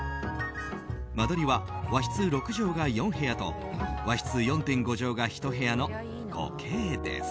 間取りは、和室６畳が４部屋と和室４．５畳が１部屋の５Ｋです。